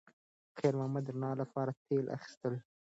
خیر محمد د رڼا لپاره تېل اخیستل.